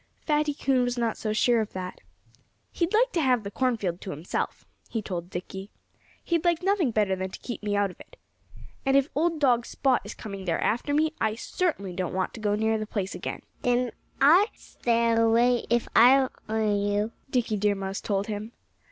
Fatty Coon was not so sure of that. "He'd like to have the cornfield to himself," he told Dickie. "He'd like nothing better than to keep me out of it. And if old dog Spot is coming there after me, I certainly don't want to go near the place again." "Then I'd stay away, if I were you," Dickie Deer Mouse told him.